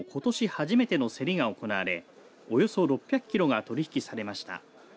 初めての競りが行われおよそ６００キロが取り引きされました。